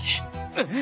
えっ？